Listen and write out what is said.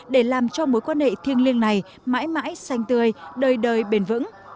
để làm cho mối quan hệ thiêng liêng này mãi mãi xanh tươi đời đời bền vững